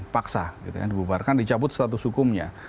paksa dibubarkan dicabut status hukumnya